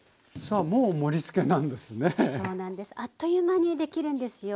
あっという間にできるんですよ。